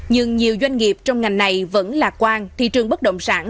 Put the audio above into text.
nhưng nhiều doanh nghiệp trong ngành này vẫn lạc quan thị trường bất động sản